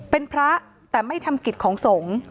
เป็นพระแต่ไม่ทำกิจของสงฆ์